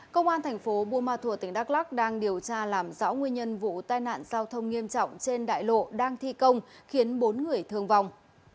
công an thành phố buôn ma thuột tỉnh đắk lắc đang điều tra làm rõ nguyên nhân vụ tai nạn giao thông nghiêm trọng trên đại lộ đang thi công khiến bốn người thương vong